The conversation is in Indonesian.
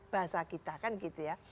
bahasa kita kan gitu ya